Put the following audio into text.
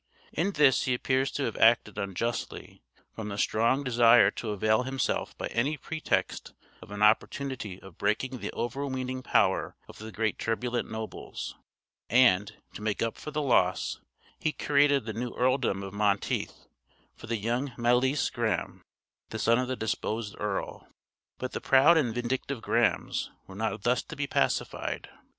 In this he appears to have acted unjustly, from the strong desire to avail himself by any pretext of an opportunity of breaking the overweening power of the great turbulent nobles; and, to make up for the loss, he created the new earldom of Menteith, for the young Malise Graham, the son of the dispossessed earl. But the proud and vindictive Grahams were not thus to be pacified.